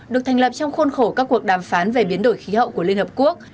được thành lập trong khuôn khổ các cuộc đàm phán về biến đổi khí hậu của liên hợp quốc